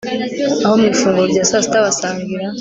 Aho mu ifunguro rya saa sita basangira